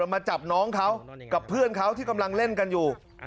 มาจับน้องเขากับเพื่อนเขาที่กำลังเล่นกันอยู่